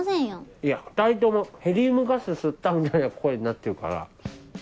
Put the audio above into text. いや２人ともヘリウムガス吸ったみたいな声になってるから。